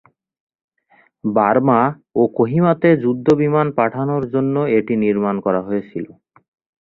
Burma ও কোহিমা তে যুদ্ধ বিমান পাঠানোর জন্য এটি নির্মাণ করা হয়েছিল।